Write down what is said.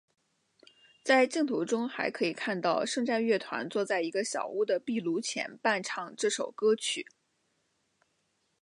在镜头中还可以看到圣战乐团坐在一个小屋的壁炉前伴唱这首歌曲。